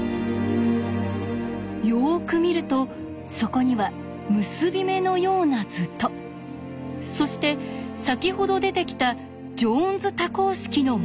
よく見るとそこには結び目のような図とそして先ほど出てきたジョーンズ多項式の文字が。